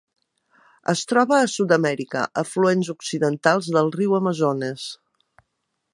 Es troba a Sud-amèrica: afluents occidentals del riu Amazones.